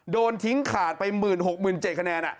โดนทิ้งขาดไปหมื่นหกหมื่นเจ็ดคะแนน